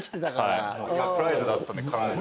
サプライズだったんで完全に。